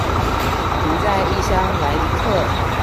獨在異鄉來一客